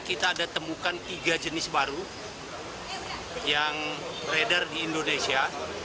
kita ada temukan tiga jenis baru yang beredar di indonesia